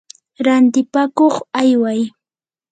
rantipakuq ayway.